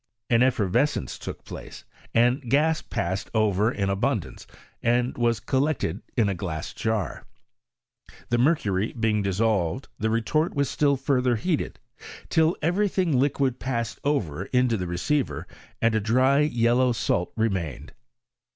An effervescence took place and gas passed over in abundance, and was collected in a glass jar; the mercury being dissolved the retort was still fur ther heated, till every thingliquid passed over into the receiver, and a dry yellow salt remained.